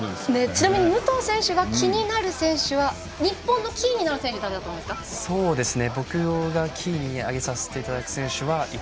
ちなみに武藤選手が気になる選手は日本のキーになる選手誰だと思いますか？